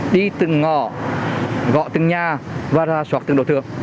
đi từng ngõ gọi từng nhà và ra soát từng đồ thương